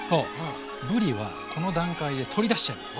ぶりはこの段階で取り出しちゃいます。